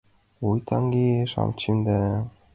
Ой, таҥем-шамычем да